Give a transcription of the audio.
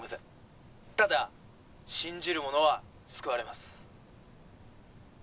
☎ただ信じる者は救われます